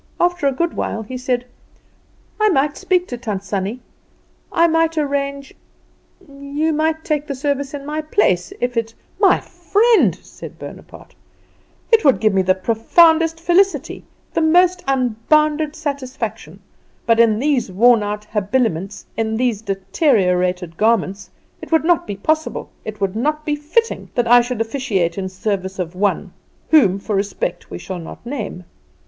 After a good while he said: "I might speak to Tant Sannie; I might arrange; you might take the service in my place, if it " "My friend," said Bonaparte, "it would give me the profoundest felicity, the most unbounded satisfaction; but in these worn out habiliments, in these deteriorated garments, it would not be possible, it would not be fitting that I should officiate in service of One whom, for respect, we shall not name.